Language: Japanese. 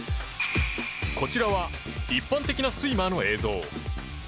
こちらは一般的なスイマーの映像。